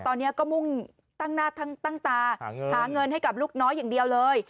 ตอนนี้ก็มุ่งตั้งหน้าตั้งตาหาเงินให้กับลูกน้อยอย่างเดียวเลย